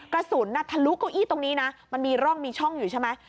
กระสุนทะลุเก้าอี้ตรงนี้นะมันมีร่องมีช่องอยู่ใช่ไหม